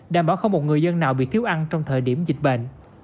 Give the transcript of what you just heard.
đảm bảo không một người dân nào bị thiếu ăn trong thời điểm dịch bệnh